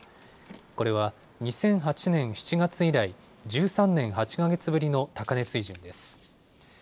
これは２００８年７月以来、１３年８か月ぶりの高値水準です。